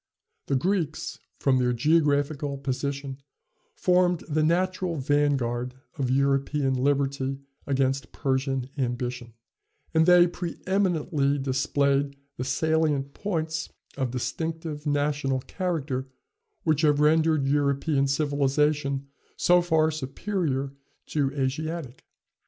The Greeks, from their geographical position, formed the natural van guard of European liberty against Persian ambition; and they preëminently displayed the salient points of distinctive national character which have rendered European civilization so far superior to Asiatic.